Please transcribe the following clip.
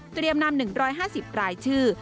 เตรียมนำ๑๕๐รายชื่อ